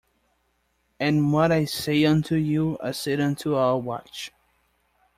And what I say unto you, I say unto all, Watch!